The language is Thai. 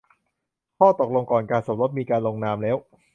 ข้อตกลงก่อนการสมรสมีการลงนามแล้ว